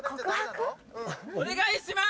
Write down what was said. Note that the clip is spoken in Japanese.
お願いします！